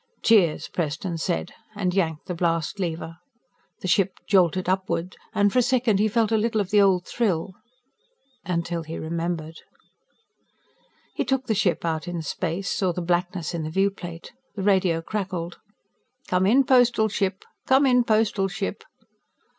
"Cheers," Preston said, and yanked the blast lever. The ship jolted upward, and for a second he felt a little of the old thrill until he remembered. He took the ship out in space, saw the blackness in the viewplate. The radio crackled. "Come in, Postal Ship. Come in, Postal Ship."